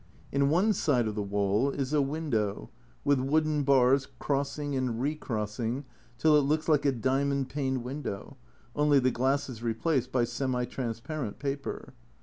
In one side of the wall is a window, with wooden bars cross ing and re crossing till it looks like a diamond paned window, only the glass is replaced by semi transparent paper.